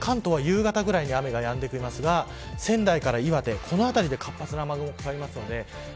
関東は夕方くらいに雨がやんできますが仙台から岩手、この辺りで活発な雨雲がかかります。